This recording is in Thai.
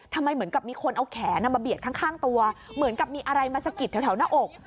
เหมือนกับมีคนเอาแขนมาเบียดข้างตัวเหมือนกับมีอะไรมาสะกิดแถวหน้าอก